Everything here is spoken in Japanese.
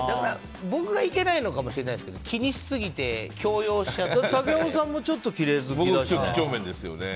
僕がいけないのかもしれないですけど気にしすぎて竹山さんもきれい好きだしね。